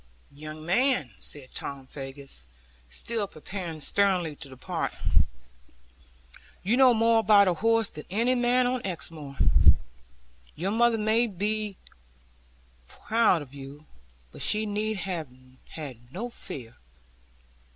'Young man,' said Tom Faggus, still preparing sternly to depart, 'you know more about a horse than any man on Exmoor. Your mother may well be proud of you, but she need have had no fear.